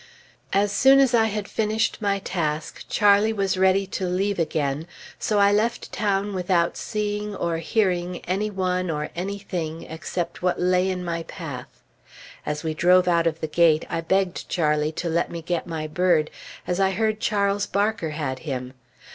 As soon as I had finished my task, Charlie was ready to leave again; so I left town without seeing, or hearing, any one, or any thing, except what lay in my path. As we drove out of the gate, I begged Charlie to let me get my bird, as I heard Charles Barker had him.